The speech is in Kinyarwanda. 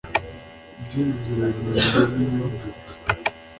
iby’ubuziranenge n’imyumvire